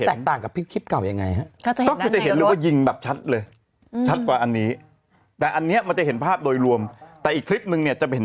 แตกต่างกับพี่เข้าอย่างไรว่าอันนี้จะเห็นภาพโดยรวมแต่อีกทลิปนึงแล้ว